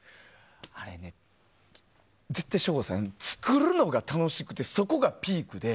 あれね、絶対作るのが楽しくてそこがピークで。